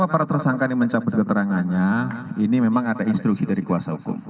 para tersangka ini mencabut keterangannya ini memang ada instruksi dari kuasa hukum